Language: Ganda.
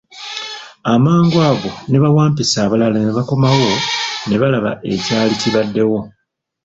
Amangu ago ne bawampisi abalala ne bakomawo ne balaba ekyali kibaddewo.